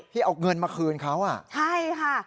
พี่เอาเงินมาคืนเขาใช่ค่ะ